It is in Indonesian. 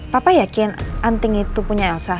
papa yakin anting itu punya elsa